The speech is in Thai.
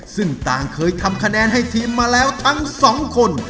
ซึ่งต่างเคยทำคะแนนให้ทีมมาแล้วทั้งสองคน